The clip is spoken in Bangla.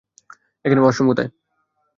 এখানে ওয়াশরুম কোথায়?